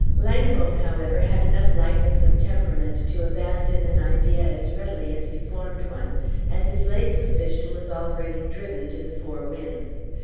Langholm, however, had enough lightness of temperament to abandon an idea as readily as he formed one, and his late suspicion was already driven to the four winds.